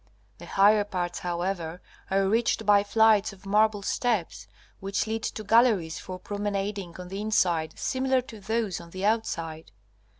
The higher parts, however, are reached by flights of marble steps, which lead to galleries for promenading on the inside similar to those on the outside.